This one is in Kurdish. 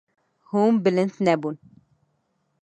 Hûn bilind nebûn.